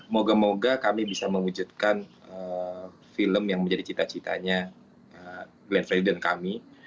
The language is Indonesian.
moga moga kami bisa mewujudkan film yang menjadi cita citanya glenn freedon kami